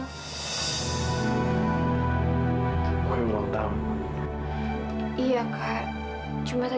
sebenarnya tadi mila nggak ngidam sama dia